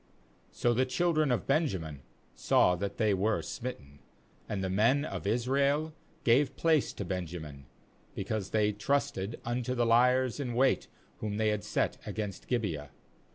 36So the children of Benjamin saw that they were smitten. And the men of Israel gave place to Benjamin, because they trusted unto the liers in wait whom they had t set against Gibeah.